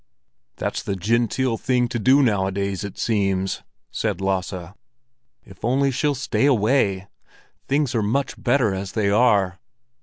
"That's the genteel thing to do nowadays, it seems!" said Lasse. "If only she'll stay away! Things are much better as they are."